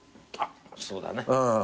あっそうだね。